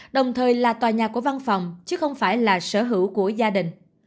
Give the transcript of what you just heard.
đồng thời là tòa nhà của văn phòng chứ không phải là sở hữu của gia đình